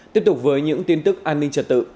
tiếp tục với những tin tức an ninh trật tự